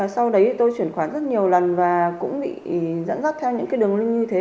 sau đấy tôi chuyển khoản rất nhiều lần và cũng bị dẫn dắt theo những đường linh như thế